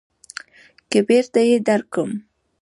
چې بېرته يې درکم.